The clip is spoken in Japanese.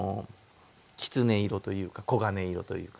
きつね色というか黄金色というか。